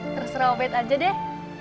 terserah beta aja deh